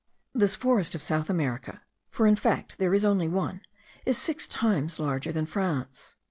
This forest of South America, for in fact there is only one, is six times larger than France.